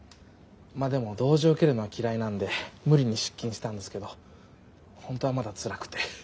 まあでも同情受けるのは嫌いなんで無理に出勤したんですけど本当はまだつらくて。